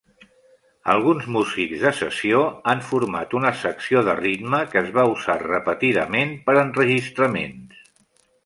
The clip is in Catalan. Alguns músics de sessió han format una secció de ritme que es va usar repetidament per a enregistraments.